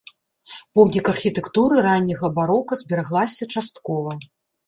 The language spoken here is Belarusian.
Помнік архітэктуры ранняга барока, збераглася часткова.